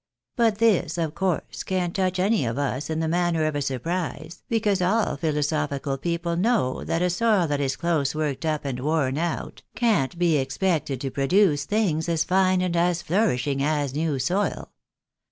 But this, of course, can't touch any of us in the manner of a surprise, because all philoso phical people know that a soil that is close worked up and worn out, can't be expected to produce things as fine and flourishing as new soil.